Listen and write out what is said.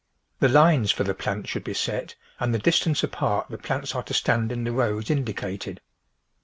The lines for the plants should be set and the distance apart the plants are to stand in the rows indicated.